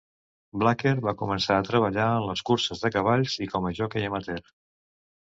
Blacker va començar a treballar en les curses de cavalls i com a joquei amateur.